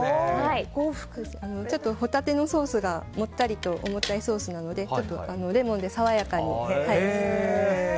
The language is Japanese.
ちょっとホタテのソースがもったりと重たいソースなのでレモンで爽やかに。